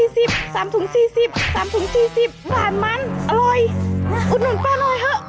สามถุง๔๐สามถุง๔๐ขาดมันอร่อยอุดหนุนป่าหน่อยเ้อะ